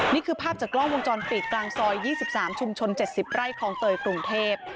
นี่คือภาพจากกล้องวงจรปีกกลางซอยยี่สิบสามชุมชนเจ็ดสิบไร่ของเตยกรุงเทพ